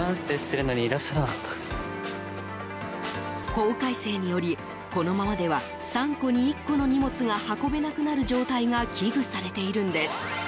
法改正により、このままでは３個に１個の荷物が運べなくなる状態が危惧されているんです。